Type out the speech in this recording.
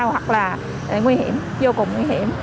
hoặc là nguy hiểm vô cùng nguy hiểm